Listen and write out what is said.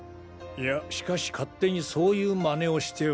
いやしかし勝手にそういう真似をしては。